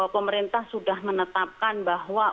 pemerintah sudah menetapkan bahwa